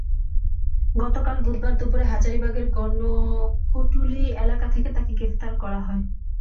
গতকাল বুধবার দুপুরে হাজারীবাগের গণকটুলী এলাকা থেকে তাঁকে গ্রেপ্তার করা হয়।